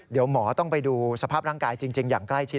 เดี๋ยวหมอต้องไปดูสภาพร่างกายจริงอย่างใกล้ชิด